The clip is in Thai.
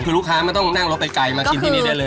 คือลูกค้าไม่ต้องนั่งรถไปไกลมากินที่นี่ได้เลย